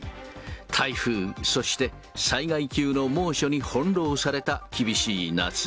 台風、そして災害級の猛暑に翻弄された厳しい夏。